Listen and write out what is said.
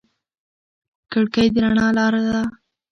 کړکۍ د رڼا لاره وه.